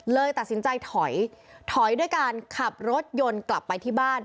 เลยตัดสินใจถอยถอยด้วยการขับรถยนต์กลับไปที่บ้าน